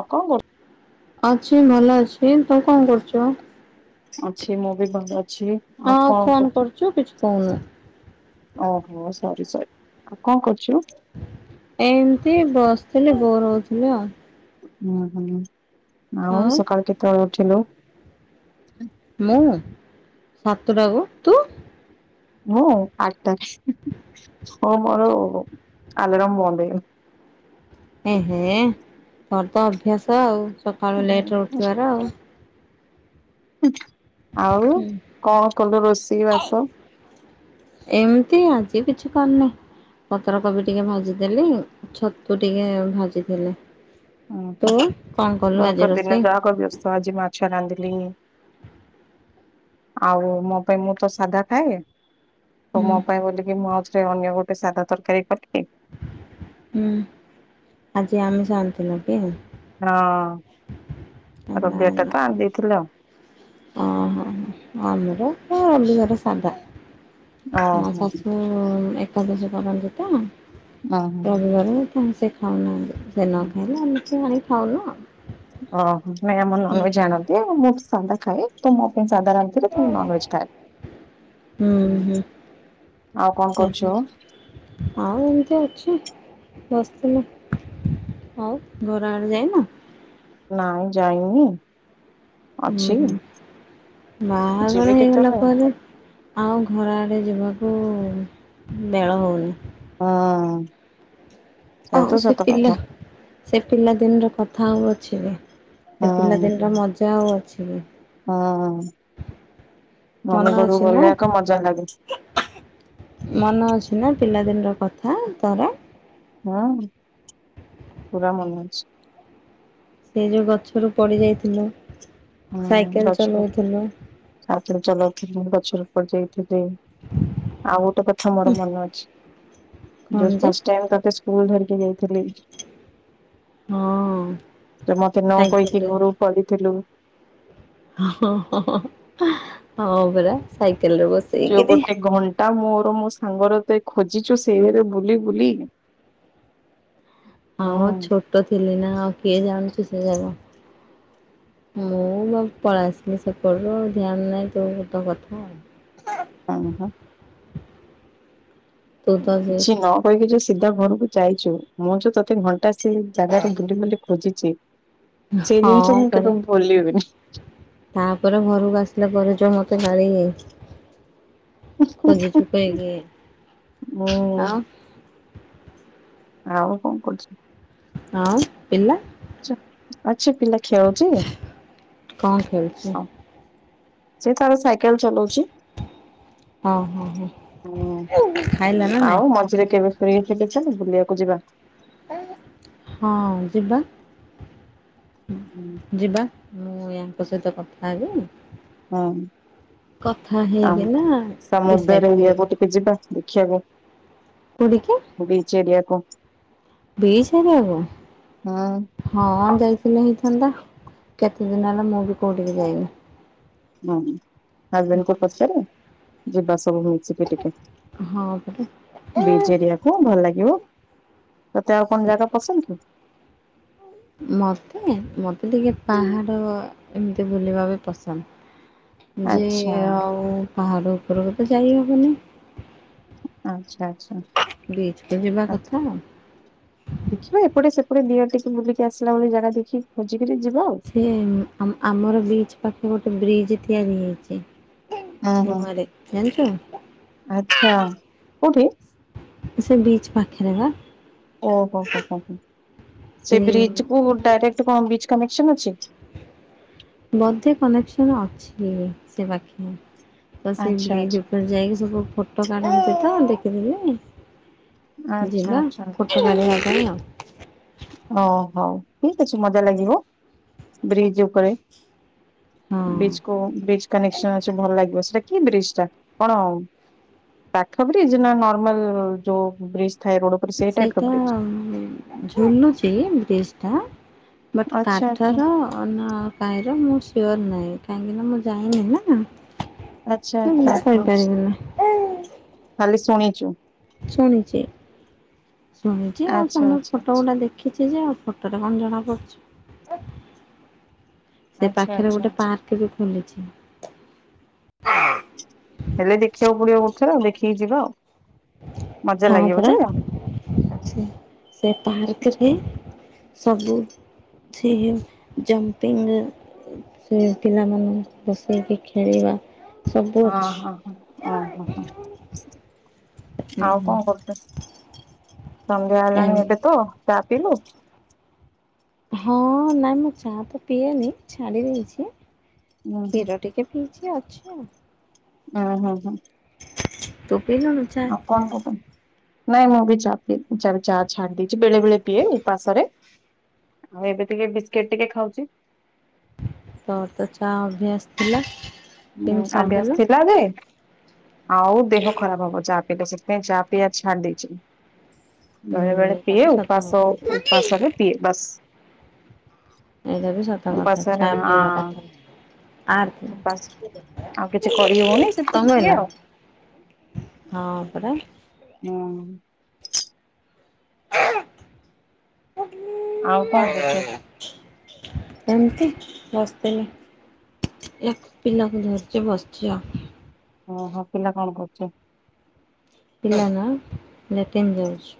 ଅ କଣ କରୁ ଅଛି ଭଲ ଅଛି, ତୁ କଣ କରୁଚୁ? ଅଛି ମୁଁ ବି ଭଲ ଅଛି। ଆଉ ହଁ କଣ ଫୋନ୍ କରୁଛୁ? କରୁଚୁ କିଛି କହୁନୁ। ଓହୋ ସରି ସରି, ଆଉ କଣ କରୁଛୁ? ଏମିତି ବସିଥିଲି ବୋର୍ ହଉଥିଲି ଆଉ। ହୁଁ, ହୁଁ, ଆଉ ସକାଳୁ କେତେବେଳେ ଉଠିଲୁ? ମୁଁ ସାତଟାକୁ, ତୁ? ମୁଁ ଆଟ୍ଟା, ହଉ ମୋର ଆଲାରାମ ବନ୍ଦ ହେଇଗଲା। ଏହେଁ, ତୋର ତ ଅଭ୍ୟାସ ଆଉ ସକାଳୁ ଲେଟ୍ ରେ ହେଇଗଲା ଉଠିବାର ଆଉ। ଆଉ କଣ କଲୁ ରୋଷେଇ ବାସ? ଏମିତି ଆଜି କିଛି କରିନେଇ। ପତ୍ର କୋବି ଟିକେ ଭାଜି ଦେଲି, ଛତୁ ଟିକେ ଭାଜିଦେଲି। ହୁଁ ହୁଁ ତୁ କଣ କଲୁ ମୁଁ ଆଜି ଦିନ ରୋଷେଇ? ଯାକ ବ୍ୟସ୍ତ ତ ଆଜି ମାଛ ରାନ୍ଧିଲି। ଆଉ ମୋ ପାଇଁ ମୁଁ ତ ସାଧା ଖାଏ। ତ ହୁଁ ମୋ ପାଇଁ ବୋଲିକି ମୁଁ ଆଉଥରେ ଅନ୍ୟ ଗୋଟେ ସାଧା ତରକାରୀ କରିଥିଲେ। ହୁଁ ଆଜି ଆମିଷ ଆଣିଥିଲ କି? ହଁ ହେଲା ରବିବାର ଟା ହେଲା ତ ଆଣି ଦେଇଥିଲ। ଓହୋ ଆମର ତ ରବିବାରେ ସାଧା ମୋ ଓହୋ ଶାଶୁ ହୁଁ ଏକାଦଶୀ କରନ୍ତି ତ ଓହୋ ରବିବାରେ ତେଣୁ ସେ ଖାଉନାହାନ୍ତି। ସେ ନ ଖାଇଲେ ଆମେ କେହି ଆଣିକି ଖାଉନେହୁଁ। ହଁ ନାଇଁ ଆମ ନନଭେଜ ଆଣନ୍ତି ଆଉ ମୁଁ ବି ସାଧା ଖାଏ। ତ ମୋ ପାଇଁ ସାଧା ରାନ୍ଧିଥିଲି ତ ମୁଁ ନନଭେଜ୍ ଖାଏନି। ହୁଁ ଆଉ କଣ ହେଲା କରୁଚ? ଆଉ ଏମିତି ଅଛି ବସିଥିଲି। ଆଉ ଘର ଆଡେ ଯାଇନ? ନାଇଁ ଯାଇନି ଅଛି। ହୁଁ ଯିବି ବାହାଘର ହେଇଗଲା କେତେବେଳେ ପରେ ଆଉ ଘର ଆଡ଼େ ଯିବାକୁ ବେଳ ହୋଉନେହିଁ। ହଁ। ଆଉ ସେ ପିଲା। ସେ ପିଲା ଦିନର କଥା ଆଉ ଅଛି କି ସେ ହୁଁ। ପିଲାଦିନର ମଜା ଆଉ ଅଛି କି। ହୁଁ ମମି ଘରୁକୁ ଗଲେ ଏକ ମଜା ଲାଗୁଛି। ମନ ଅଛି ନା ପିଲାଦିନର କଥା ତୋର? ହଁ ପୁରା ମନେ ଅଛି। ସେ ଯୋଉ ଗଛରୁ ପଡି ଯାଇଥିଲୁ। ହୁଁ ସାଇକେଲ ଗଛରୁ ଚଲଉଥିଲୁ ସଵୁଦିନେ ଚଲୋଉଥିଲି ଗଛରୁ ପଢି ଯାଇି ଥିଲେ। ଆଉ ଗୋଟେ କଥା ମୋର ମନେ ଅଛି ଯୋଉ କଣ ଯେ? ଫାଷ୍ଟେ ଟାଇମ୍ ତତେ ସ୍କୁଲ ଧରିକି ଯାଇଥିଲି ହଁ ଯୋଉ ମତେ ନ କହିକି ସାଇକେଲରେ ଘରୁ ପଡିଥିଲୁ। ହଁ ହଁ ହଁ ପରା ସାଇକେଲେରେ ବସେଇକିରି। ଆଉ ମୋର ମୋ ସାଙ୍ଗରେ ତତେ ଖୋଜିଛୁ ସେଇଥିରେ ବୁଲି ବୁଲି। ହଁ ହୁଁ ଛୋଟ ଥିଲି ନା ଆଉ କିଏ ଜାଣୁଚି ସେଯାଗା। ମୁଁ ମୋର ପଳେଇଆସିଲି ସେପଟରୁ ଧ୍ୟାନ ନାହିଁ ତୋର ତୋ କଥା। [inaudible] ତୁ ତ ସେ କିଛି ନ କହିକି ଯୋଉ ସିଧା ଘରକୁ ଯାଇଚୁ ମୁଁ ଯୋଉ ତୋତେ ଘଣ୍ଟା ସେ ଜାଗାରେ ବୁଲି ବୁଲି ଖୋଜିଚି ସେ ହଁ ଜିନିଷ ମୁଁ ପରା କେବେ ଭୁଲିବିନି। ତାପରେ ଘରକୁ ଆସିଲା ପରେ ଯୋଉ ମତେ ଗାଳି। ଖଜିଛୁ କିଏ କିଏ ମୁଁ ଆଉ‌। ଆଉ କଣ କରୁଚୁ? ଆଉ ପିଲା? ଅଛି ପିଲା ଖେଳୁଚି କଣ ଖେଳୁଛୁ? ହଁ। ସେ ତାର ସାଇକେଲେ ଚଲୋଉଚି। ହଁ ହଁ ହୁଁ ହଁ ଖାଇଲ ନା ନାଇଁ? ଆଉ ମଝିରେ କେବେ ଫ୍ରି କେବେ ଅଛ ବୁଲିବାକୁ ଯିବା। ହଁ ଯିବା ହୁଁ ଯିବା। ମୁଁ ୟାଙ୍କ ସହିତ କଥା ହେବି। ହଁ। କଥା ଆ ହେଇକିନା ଡିସାଇଡ୍ ସମୁଦ୍ର କରିବି। ଏରିଆକୁ ଟିକେ ଯିବା ଦେଖିବାକୁ। [unintelligible] [unintelligible] ବିଚ୍ ଏରିଆ କୁ? ହୁଁ ହଁ, ଯାଇଥିଲେ ହେଇଥାନ୍ତା। କେତେ ଦିନ ହେଲା ମୁଁ ବି କୋଉଠିକି ଯାଇନି। ହଁ ହଜବେଣ୍ଡ କୁ ପଚାରେ ଯିବା ସବୁ [unintelligible] ଟିକେ ହଁ ପରା। ବିଚ୍ ଏରିଆକୁ ଭଲ ଲାଗିବ। ତତେ ଆଉ କଣ ଜାଗା ପସନ୍ଦ କି? ମୋତେ ମୋତେ ଟିକେ ପାହାଡ଼ ଏମିତି ବୁଲିବା ବି ପସନ୍ଦ। ଯେ ଆଚ୍ଛା ଆଉ ପାହାଡ ଉପରକୁ ତ ଯାଇ ହବନି। ଆଚ୍ଛା ଆଚ୍ଛା। ବିଚ୍ କୁ ଯିବା ଆ କଥା। ଦେଖିବା ଏପଟେ ସେପଟେ ଦି ଆଡେ ଟିକେ ବୁଲିକି ଆସିଲା ବେଳକୁ ଜାଗା ଦେଖିକି ଖୋଜିକରି ଯିବା ଆଉ। ହେ ଆମର ବିଚ୍ ପାଖେ ଗୋଟେ ବ୍ରିଜ୍ ତିଆରି ହେଇଛି। ହୁଁ ହୁଁ ନୂଆ ଟେ ଜଣିଛୁ? ଆଚ୍ଛା କୋଉଠି? ସେ ବିଚ୍ ପାଖରେ ବା। ଓହୋଃ ହୋଃ ସେ ବ୍ରିଜ କୁ ଡାଇରେକ୍ଟ କଣ ବିଚ୍ କନେକ୍ସନ ଅଛି? ବୋଧେ କନେକ୍ସନ ଅଛି ସେ ପାଖିଆ। ତ ସେଇ ଆଚ୍ଛା ବ୍ରିଜ ଆଚ୍ଛା ଉପରେ ଯାଇକି ସବୁ ଫଟୋ କାଢନ୍ତି ତ ଦେଖିଥିଲି। ଆଚ୍ଛା ଯିିବା ଆଚ୍ଛା। ଫୋଟ କାଢ଼ିବା ପାଇଁ ଆଉ। ଓଃ ହଉ ଠିକ ଅଛି ମଜା ଲାଗିବ ବ୍ରିଜ ଉପରେ। ବଚ୍ ହଁ କୁ ବ୍ରିଜ କନେକ୍ସନ ଅଛି ଭଲ ଲାଗିବ। ସେଟା କି ବ୍ରିଜ ଟା କଣ ଆ କାଠ ବ୍ରିଜ ନା ନର୍ମଲ ଯୋଉ ବ୍ରିଜ ଥାଏ ରୋଡ ଉପରେ ସେଇ ଟାଇପ ର ସେଇଟା ବ୍ରିଜ? ଝୁଲୁଛି ବ୍ରିଜ ଟା। ବଟ୍ ଆଚ୍ଛା ଆଚ୍ଛା କାଠର ଅନ୍ୟ କାହିଁର ମୁଁ ସିଓର ନାହିଁ କାହିଁକିନା ମୁଁ ଯାଇନି ନା। ଆଚ୍ଛା ତ ମୂ ଆଚ୍ଛା ଆଛା କହିପାରିବିନି। ଖାଲି ଶୁଣିଛୁ? ଶୁଣିଛି। ଶୁଣିଛି ଆଉ ଆଚ୍ଛା [unintelligible] ଆଚ୍ଛା ଫୋଟ ଆଛା। ଗୁଡା ଦେଖି ଚି ଯେ ଆଉ ଫୋଟ ରେ କଣ ଜଣା ପଡୁଛି। ସେ ଆଚ୍ଛା ପାଖରେ ଆଚ୍ଛା ଗୋଟେ ଆଚ୍ଛା ପାର୍କ ବି ଖୋଲିଛି। ହେଲେ ଦେଖିବାକୁ ପଡିବ ବୋଧେ ଆଉ। ଦେଖିକି ଯିବା ଆଉ। ମଜା ହଁ ଲାଗିବ ପରା। ଯେ। ହଁ ସେ ପାର୍କରେ ସବୁ ସେ ଯୋଉ ଜମ୍ପିଂ ସେ ପିଲାମାନଙ୍କୁ ବସେଇକି ଖେଳେଇବା ହଁ ହଁ ହଁ, ଓହୋଃ ହଁ। ହୁଁ ଆଉ ହୁଁ। କଣ କରୁଛୁ? ସନ୍ଧ୍ୟା ଏମ ହେଲାଣି ଏବେ ତ ଚା ପିଇଲୁ? ହଁ, ନାଇଁ ମୁଁ ଚା ତ ପିଏନି ଛାଡ଼ି ଦେଇଛି। ହୁଁ କ୍ଷୀର ଟିକେ ପିଇଛି ଅଛି ଆଉ। ଓଃ, ହୁଁ ହୁଁ। ତୁ ପିିଇଲୁଣୁ? ଆଉ କଣ। [unintelligible] ନାଇଁ ମୁଁ ବି ଚା ପିଏନି, ଚା ଛାଡି ଦେଇଛି। ବେଳେ ବେଳେ ପିଏ ଏଇ ଉପାସ ରେ। ଆଉ ଏବେ ଟିକେ ବିସ୍କିଟ ଟିକେ ଖାଉଛି। ତୋର ତ ଚା ଅଭ୍ୟାସ ଥିଲା। ହଁ କେମିତି ଅଭ୍ୟାସ ଛାଡ଼ିଦେଲୁ? ଥିଲା ଯେ ଆଉ ଦେହ ଖରାପ ହବ ଚା ଏଇଟା ସେଥିପାଇଁ ଚା ପିଆ ଛାଡି ଦେଇଛି। ହୁଁ ବେଳେ ବେଳେ ଏଇଟା ପିଏ ବି ସତ ଉପାସ କଥା ଉପାସରେ ପିଏ ବାସ। ଏଇଟା ବି ସତ କଥା ଚା ପିଇବା ହଁ କଥା ଉପାସ ଆର୍ ଆଉ କିଛି କରିହୋଉନି ସେଥିୁ କିଏ ନା ଆଉ। ହଁ ପରା। ହଁ। ଆଉ କଣ କରୁଛ [unintelligible] ଏମିତି ବସିନି। ଏକ ପିଲାକୁ ଧରିଛି ବସିଛି ଆଉ। ଓହୋ ପିଲା କଣ କରୁଚି? ପିଲା ନା ଲାଟିନ୍ ଯାଇଛି।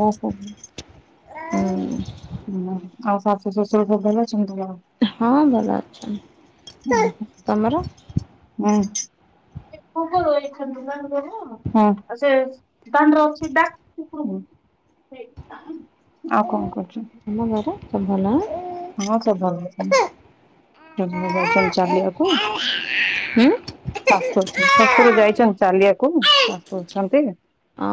ଓହୋ। ହୁଁ। ହୁଁ ଆଉ ଶାଶୁ ଶ୍ୱଶୁର ସବୁ ଭଲ ଅଛନ୍ତି ହଁ ଭଲ ଅଛନ୍ତି। ତମର ହୁ। ଯାଇଛନ୍ତି ନା ସବୁ ଆଉ ସେ ତାଙ୍କର ଅଛି ଡାକି ଆଉ କଣ କରୁଛି? ତମ ଘରେ ସବୁ ଭଲ ଆଁ ହଁ ସବୁ ଭଲ ଅଛନ୍ତି ସେ ଯାଉଛନ୍ତି ଚାଲିବାକୁ। ସାଶୁ ଅଛନ୍ତି ଶ୍ୱଶୁର ଯାଇଛନ୍ତି ଚାଲିଆକୁ ସାଶୁ ଅଛନ୍ତି। ଓ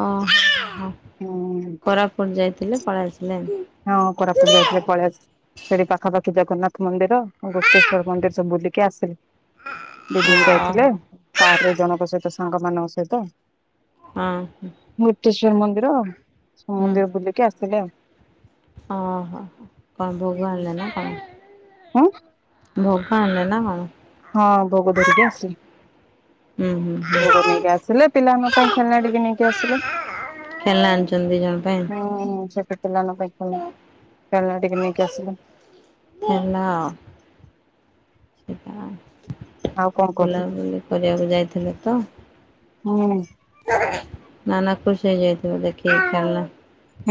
ହୋ ହୁଁ କୋରାପୁଟ ଯାଇଥିଲେ ପଳେଆସିଲେଣି। ହଁ କୋରାପୁଟ ଯାଇଥିଲେ ପଳେଇଆସିଲୁଣି। ସେଠି ପାଖାପାଖି ଜଗନ୍ନାଥ ମନ୍ଦିର ଗୁପ୍ତେଶ୍ୱର ମନ୍ଦିର ସବୁ ବୁଲିକି ଆସିଲେ। ଦିଇ ଦିନି ଯାଇଥିଲେ ଓହୋ କାର ରେ ଜଣଙ୍କ ସହିତ ସାଙ୍ଗ ମାନଙ୍କ ସହିତ। ହଁ। ମୁକ୍ତେଶ୍ଵର ମନ୍ଦିର ସବୁ ହୁଁ ମନ୍ଦିର ବୁଲିକି ଆସିଲେ ଆଉ। ଓହୋ ହୋ କଣ ଭୋଗ ଆଣିଲେ ନା କଣ? ହୁଁ। ଭୋଗଆଣିଲେ ନା କଣ? ହଁ ଭୋଗ ଧରିକି ଆସିଲି। ଉଁ ହୁଁ ହୁଁ। ଭୋଗ ନେଇକି ଆସିଲେ ପିଲାଙ୍କ ପାଇଁ ଖେଳନା ଟିକେ ନେଇକି ଆସିଲେ। ଖେଳ ନା ଆଣିଛନ୍ତି ଦିଇ ଜଣଙ୍କ ପାଇଁ। ହୁଁ ଛୋଟ ପିଲାମାନଙ୍କ ପାଇଁ କ ଖେଳନା ଟିକେ ନେଇକି ଆସିଲେ। ଖେଳେନା ସେଇଟା ଆଉ। ଆଉ କଣ କରୁଛୁ। ବୁଲାବୁଲି କରିବାକୁ ଯାଇଥିଲେ ତ। ହୁଁ। ନା ନା ଖୁସି ହେଇଯାଇଥିବ ଦେଖି କି ଖେଳନା।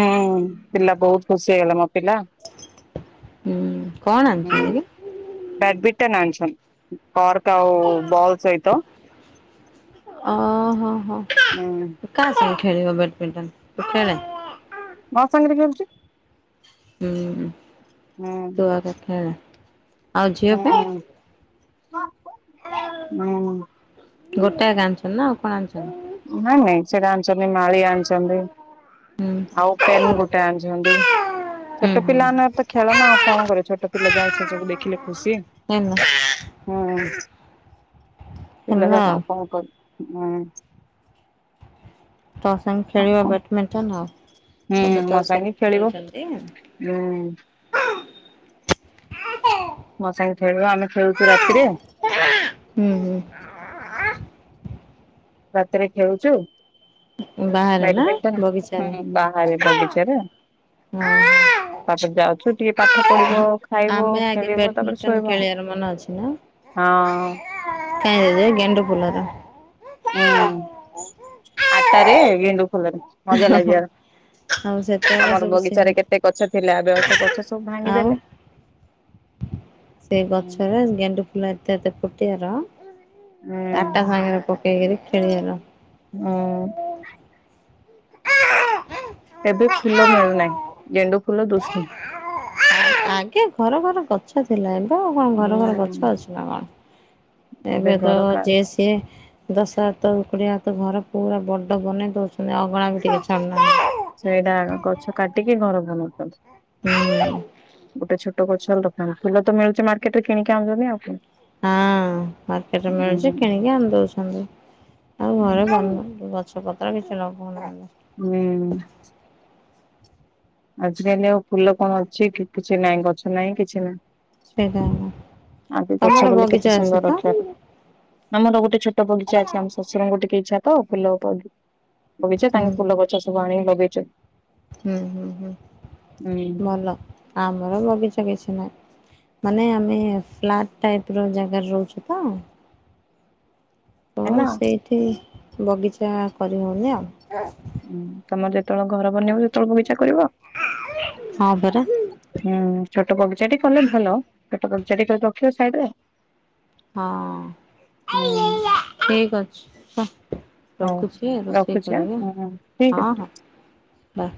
ହୁଁ ପିଲା ବୋହୁତ ଖୁସି ହେଇଗଲା ମୋ ପିଲା। ହୁଁ କଣ ଆଣିଚନ୍ତି କି? ବ୍ୟାଗମିଟେନ୍ ଅଣିଛନ୍ ପ୍ରରକ୍ ଆଉ ବଲ ସାହିତ ଓହୋ ହୋ ହୁଁ କା ସାଙ୍ଗେ ଖେଳିବ ବେଡମିଣ୍ଟନ ତୁ ଖେଳେ ମୋ ସାଙ୍ଗରେ ଖଳୁଛି। ହୁଁ ହୁଁ ତୁଆଗେ ଖେଳ। ହୁଁ ହୁଁ। ଗୋଟାଏ ଏକା ଆଣିଛନ୍ ନା ଆଉ କଣ ଆଣିଛନ୍? ନାଇଁ ନାଇଁ ସେରା ଆଣଚନ୍ତି ମାଳି ଆଣଚନ୍ତି ଆଉ ଫେନ୍ ଗୋଟେ ଆଣିଛନ୍ତି। ଛୋଟ ପିଲା ମାନେ ତ ଖେଳନା ଆଉ କଣ କରିବେ ଛୋଟ ପିଲା ଯାଏ ସେ ସବୁ ଦେଖିଲେ ଖୁସି। ହେନା ହୁଁ ପିଲା ହେଲା ଯାହାର ଆଉ କଣ କର ମାଁ ତ ସାଙ୍ଗେ ଆଉ ଖେଳିବ କଣ ବ୍ୟାଡ଼ମିଣ୍ଟନ ହୁଁ ଆଉ ଏବେ ତ ମୋ ସାଙ୍ଗେ ସବୁ ଖେଳିବ ଖେଳୁଚନ୍ତି। [unintelligible] ହୁଁ ମୋ ସାଙ୍ଗେ ଖେଳିବ ଆମେ ଖେଳୁଚୁ ରାତିରେ? ହୁଁ ହୁଁ। ରାତିରେ ଖେଳୁଚୁ ବାହାରେ ନା ବ୍ୟାଡ଼ମିଣ୍ଟନ ବଗିଚାରେ। ହଁ ବାହାରେ ବଗିଚାରେ। ତାପରେ ଯାଉଚୁ ଟିକେ ପାଠ ପଢ଼ିବ ଆମେ ଆଗେ ବ୍ୟାଡମିଣ୍ଟନ ଖେଳିବାର ମନେ ଅଛି ନା? ହଁ। ଖେଳେ ଯେ ଗେଣ୍ଡୁ ଫୁଲରେ। ହୁଁ ଆଟାରେ ଗେଣ୍ଡୁ ଫୁଲରେ ମଜା ଲାଗିବାର। ଆଉ ସେତେବେଳେ ଆମର ସବୁ ବଗିଚାରେ ସେମିତି କେତେ ଗଛ ଥିଲା ଏବେ ସେ ଗଛ ସବୁ ଭାଙ୍ଗିଦେଲେ। ସେଇ ହୁଁ ଗଛରେ ଗେଣ୍ଡୁ ଫୁଲ ଏତେ ଏତେ ଫୁଟିବାର ତାଟା ସାଙ୍ଗରେ ପକେଇକିରି ଖେଳିବାର। ମୁଁ ଏବେ ଫୁଲ ମିଳୁନାଇଁ ଗେଣ୍ଡୁ ଫୁଲ ଦୁଶୁନି। ଆଗେ ଘର ଘର ଗଛ ଥିଲା ଏବେ ଆଉ କଣ ଘର ଘର ଗଛ ହୁଁ ଅଛି ନା କଣ? ଏବେ ତ ଘର କା ଯିଏ ସିଏ ଦଶ ହାତ କୋଡିଏ ହାତ ଘର ପୁରା ବଡ଼ ବନେଇ ଦଉଚନ୍ତି ଆଉ ଅଗଣା ବି ଟିକେ ଛାଡୁନାହାନ୍ତି। ସେଇଟା ଗଛ କାଟିକି ଘର ହୁଁ ବନଉଚନ୍ତି ଗୋଟେ ଛୋଟ ଗଛ ଲ ହଁ ଫୁଲ ତ ମିଳୁଚି ମିଳୁଚି ମାର୍କେଟ ରେ କିଣିକି ଆଣୁଚନ୍ତି ଆଉ କଣ? ହଁ ମାର୍କେଟରେ ମିଳୁଚି ହୁଁ କିଣିକି ଆଣି ଦଉଚନ୍ତି ଆଉ ଘରେ ବନ ଯୋଉ ଗ ଛ ପତ୍ର କିଛି ଲଗଉନାହାନ୍ତି। ମିଣି ଆଜିକାଲି ଆଉ ଫୁଲ କଣ ଅଛି କି କିଛି ନାଇଁ ଗଛ ନାଇଁ କିଛି ନାଇଁ। ସେଇଟା ହେଲା ଆଗେ ତମର ଗଛ ବୋଲି ବଗିଚା କେତେ ଅଛି ସୁନ୍ଦର ତ? ରଖିବାର। ଆମର ଗୋଟେ ଛୋଟ ବଗିଚା ଅଛି ଆମ ଶଶୁରଙ୍କୁ ଟିକେ ଇଚ୍ଛା ତ ଫୁଲ ବଗି ବଗିଚା ହୁଁ ତାଙ୍କ ଫୁଲ ଗଛ ସବୁ ଆଣିକି ଲଗେଇଚନ୍। ହୁଁ ହୁଁ ହୁଁ। ହୁଁ। ଭଲ ଆମର ବଗିଚା ବେଶି ନାଇଁ। ମାନେ ଆମେ ଫ୍ଲାଟ୍ ଟାଇପ୍ ର ଜାଗାର ରହୁଚୁ ତ ତ ହେଲା ସେଇଠି ବଗିଚା କରିହଉନି ଆଉ। ହୁଁ ତମର ଯେତବଳ ଘର ବନେଇବ ସେତେବେଳକୁ ବଗିଚା କରିବ। ହଁ ପରା ହୁଁ ଛୋଟ ବଗିଚା ଟି କଲେ ଭଲ ଛୋଟ ବଗିଚା ଟିଏ କରି ରଖିବ ସାଇଡ଼ରେ। ହଁ ଠିକ୍ ଅଛି ହଁ। ହଉ ରଖୁଛି ରୋଷେଇ ରଖୁଛି ଆଁ କରିବି ହୁଁ, ଠିକ ଆଉ। ଅଛି। ହଁ ହଁ ବାଏ।